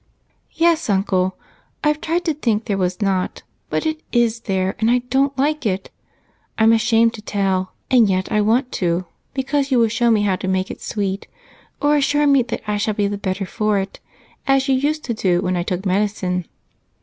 "Yes, Uncle. I've tried to think there was not, but it is there, and I don't like it. I'm ashamed to tell, and yet I want to, because you will show me how to make it sweet or assure me that I shall be the better for it, as you used to do when I took medicine."